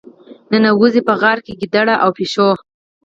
ننوزي یې په غار کې ګیدړ او پيشو.